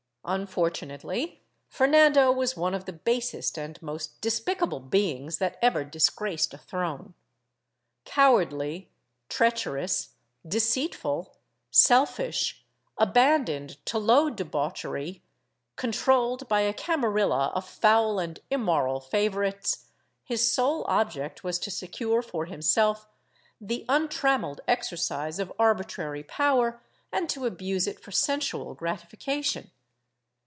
Unfortunately Fernando was one of the basest and most despicable beings that ever disgraced a throne. Cow ardly, treacherous, deceitful, selfish, abandoned to low debauch ery, controlled by a camarilla of foul and immoral favorites, his sole object was to secure for himself the untrammelled exercise of arbitrary power and to abuse it for sensual gratification.